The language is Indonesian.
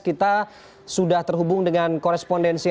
kita sudah terhubung dengan korespondensi